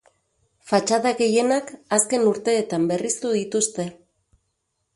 Fatxada gehienak azken urteetan berriztu dituzte.